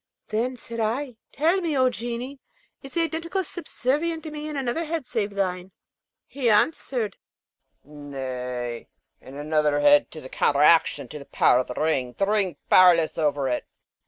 Then said I, 'Tell me, O Genie! is the Identical subservient to me in another head save thine?' He answered, 'Nay I in another head 'tis a counteraction to the power of the Ring, the Ring powerless over it.'